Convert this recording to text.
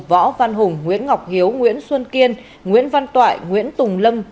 võ văn hùng nguyễn ngọc hiếu nguyễn xuân kiên nguyễn văn toại nguyễn tùng lâm